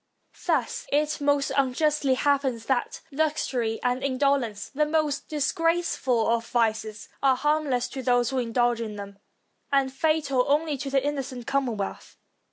Thus it most unjustly happens that luxury and indolence, the most disgraceful of vices, are harmless to those who indulge in them, and fatal only to the inno cent commonwealth.